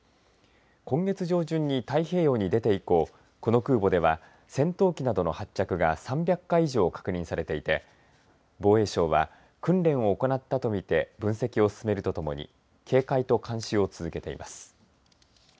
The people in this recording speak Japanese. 今月上旬に太平洋に出て以降この空母では戦闘機などの発着が３００回以上確認されていて防衛省は、訓練を行ったとみて分析を進めるとともに警戒と監視を続けています。